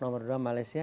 nomor dua malaysia